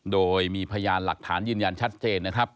โดยมีพยานหลักฐานยืนยันชัดเจนนะครับ